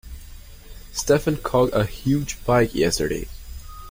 Stephen caught a huge pike yesterday